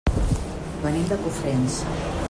Venim de Cofrents.